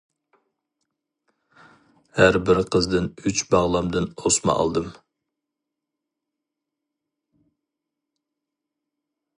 ھەربىر قىزدىن ئۈچ باغلامدىن ئوسما ئالدىم.